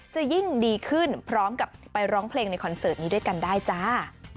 จะยิ่งดีขึ้นพร้อมกับไปร้องเพลงในคอนเสิร์ตนี้ด้วยกันได้จ้า